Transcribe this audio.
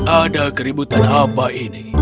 ada keributan apa ini